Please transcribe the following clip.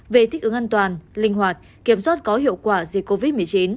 về thích ứng an toàn linh hoạt kiểm soát có hiệu quả dịch covid một mươi chín